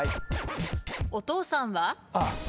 お父さんは？